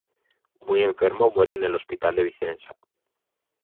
Muy enfermo, muere en el Hospital de Vicenza.